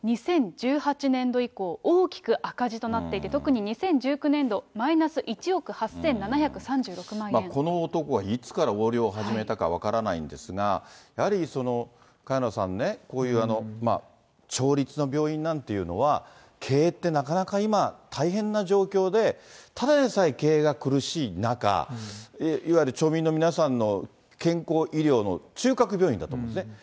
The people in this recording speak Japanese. ２０１８年度以降、大きく赤字となっていて、特に２０１９年この男はいつから横領を始めたか分からないんですが、やはり萱野さん、こういう町立の病院なんていうのは、経営って、なかなか今、大変な状況で、ただでさえ経営が苦しい中、いわゆる町民の皆さんの、健康医療の中核病院だと思うんですね。